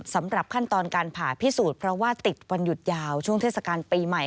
สำหรับขั้นตอนการผ่าพิสูจน์เพราะว่าติดวันหยุดยาวช่วงเทศกาลปีใหม่